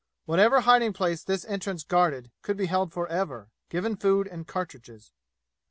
Whatever hiding place this entrance guarded could be held forever, given food and cartridges!